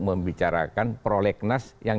membicarakan prolegnas yang